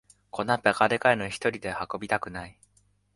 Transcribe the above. こんなバカでかいのひとりで運びたくない